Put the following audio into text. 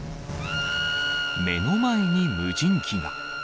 目の前に無人機が。